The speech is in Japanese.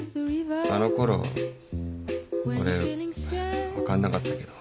あのころ俺分かんなかったけど。